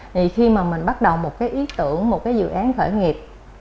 thì khi mà mình bắt đầu một cái ý tưởng một cái dự án khởi nghiệp